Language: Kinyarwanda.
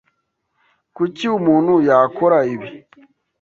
Kuki umuntu yakora ibi?